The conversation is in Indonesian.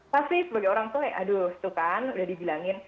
pasti sebagai orang tua ya aduh itu kan udah dibilangin